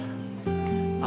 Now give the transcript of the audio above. terima kasih pak